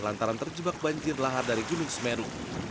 lantaran terjebak banjir lahar dari gunung semeru